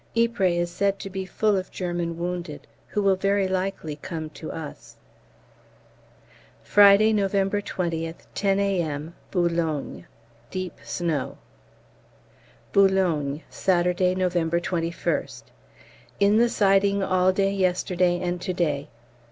Ypres is said to be full of German wounded who will very likely come to us. Friday, November 20th, 10 A.M., Boulogne. Deep snow. Boulogne, Saturday, November 21st. In the siding all yesterday and to day.